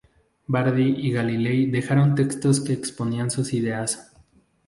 Bardi y Galilei dejaron textos que exponían sus ideas.